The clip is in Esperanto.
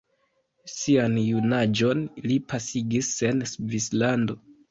Sian junaĝon li pasigis en Svislando.